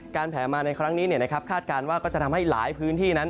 แผลมาในครั้งนี้คาดการณ์ว่าก็จะทำให้หลายพื้นที่นั้น